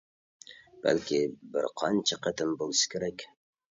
بەلكى بىر قانچە قېتىم بولسا كېرەك.